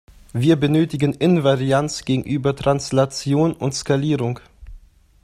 Wir benötigen Invarianz gegenüber Translation und Skalierung.